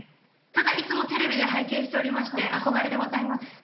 ただいつもテレビで拝見しておりまして憧れでございます。